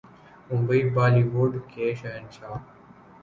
Mumbai Bollywood کے شہنشاہ